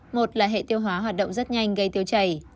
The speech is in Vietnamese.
một là hệ tiêu hóa hoạt động rất nhanh gây tiêu chảy